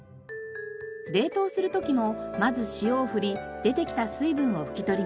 冷凍する時もまず塩を振り出てきた水分を拭き取ります。